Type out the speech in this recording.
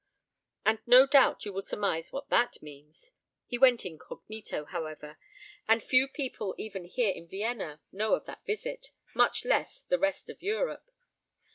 and no doubt you will surmise what that means. He went incognito, however, and few people even here in Vienna know of that visit, much less the rest of Europe.